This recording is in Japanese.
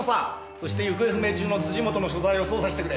そして行方不明中の本の所在を捜査してくれ。